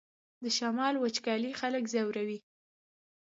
د شمال وچکالي خلک ځوروي